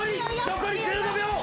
残り１５秒。